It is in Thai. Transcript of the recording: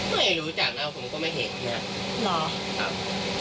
ไม่รู้จักนะผมก็ไม่เห็น